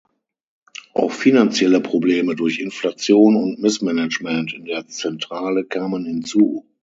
Auch finanzielle Probleme durch Inflation und Missmanagement in der Zentrale kamen hinzu.